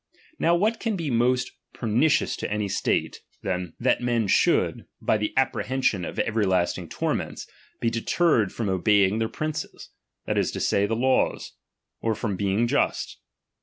Now lat can be more pernicious to any state, than ^^t can be i DOMINION. CHAP. XII. that men should, by the apprehension of ever lasting torments, be deterred from obeying their prinees, that is to say, the laws ; or from being jnst